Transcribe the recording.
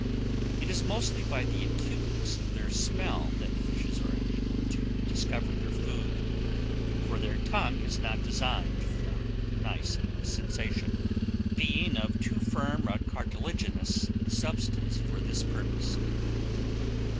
It is mostly by the acuteness of their smell that fishes are enabled to discover their food; for their tongue is not designed for nice sensation, being of too firm a cartilaginous substance for this purpose.